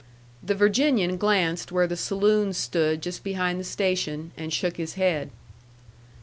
The Virginian glanced where the saloons stood just behind the station, and shook his head.